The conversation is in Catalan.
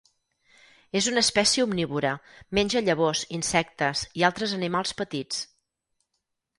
És una espècie omnívora, menja llavors, insectes i altres animals petits.